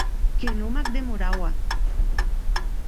Que non m’ac demoraua!